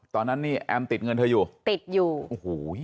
ตอนนั้นนี่แอมติดเงินเธออยู่ติดอยู่โอ้โห